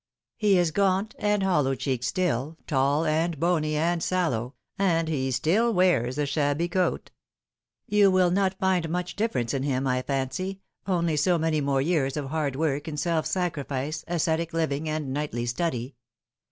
" He is gaunt and hollow cheeked still, tall and bony and sallow, and he still wears a shabby coat. You will not find much difference in him, I fancy only so many more years of hard work and self sacrifice, ascetic living and nightly study.